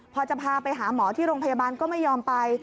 พอจะพาไปหาหมอที่โรงพยาบาลก็ไม่ยอมไป